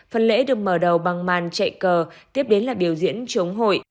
phần lễ được mở đầu bằng màn chạy cờ tiếp đến là biểu diễn chống hội